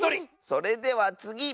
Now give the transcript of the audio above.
それではつぎ！